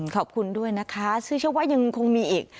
ขอบคุณด้วยนะคะซึ่งเชื่อว่ายังคงมีอีก